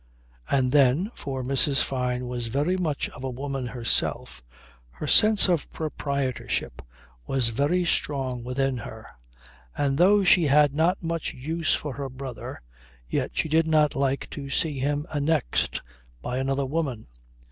And then for Mrs. Fyne was very much of a woman herself her sense of proprietorship was very strong within her; and though she had not much use for her brother, yet she did not like to see him annexed by another woman.